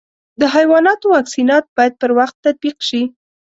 د حیواناتو واکسینات باید پر وخت تطبیق شي.